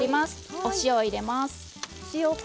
お塩を入れます。